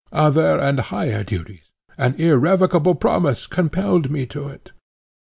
Other and higher duties, an irrevocable promise, compelled me to it."